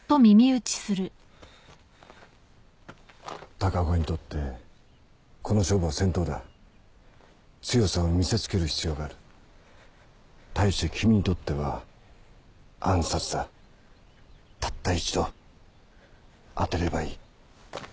鷹岡にとってこの勝負は戦闘だ強さを見せつける必要がある対して君にとっては暗殺だたった一度当てればいい